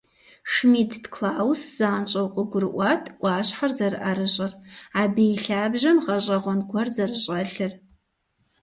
Шмидт Клаус занщӀэу къыгурыӀуат Ӏуащхьэр зэрыӀэрыщӀыр, абы и лъабжьэм гъэщӀэгъуэн гуэр зэрыщӀэлъыр.